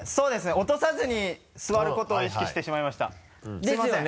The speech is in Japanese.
落とさずに座ることを意識してしまいましたですよね？